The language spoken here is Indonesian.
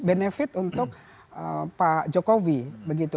benefit untuk pak jokowi